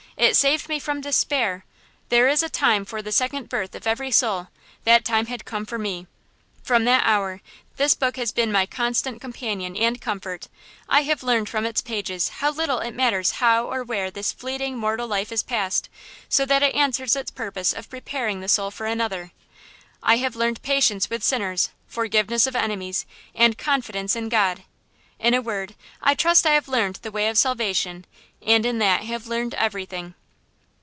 It saved me from despair! There is a time for the second birth of every soul; that time had come for me. From that hour, this book has been my constant companion and comfort. I have learned from its pages how little it matters how or where this fleeting, mortal life is passed, so that it answers its purpose of preparing the soul for another. I have learned patience with sinners, forgiveness of enemies, and confidence in God. In a word, I trust I have learned the way of salvation, and in that have learned everything.